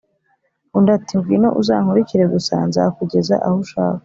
undi ati: ‘ngwino uzankurikire gusa, nzakugeza aho ushaka,